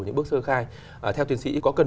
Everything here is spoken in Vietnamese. những bước sơ khai theo tiến sĩ có cần